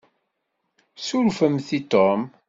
Surfemt i Tom.